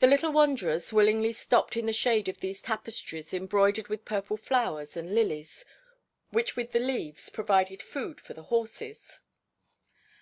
The little wanderers willingly stopped in the shade of these tapestries embroidered with purple flowers and lilies, which with the leaves provided food for the horses.